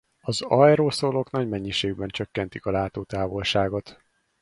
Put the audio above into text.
Az aeroszolok nagy mennyiségben csökkentik a látótávolságot.